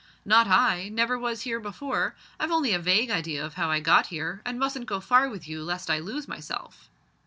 "Not I. Never was here before. I've only a vague idea of how I got here, and mustn't go far with you lest I lose myself."